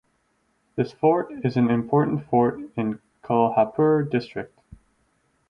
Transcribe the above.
This fort is an important fort in Kolhapur district.